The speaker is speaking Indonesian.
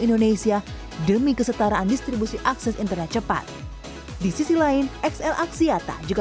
indonesia demi kesetaraan distribusi akses internet cepat di sisi lain xl aksiata juga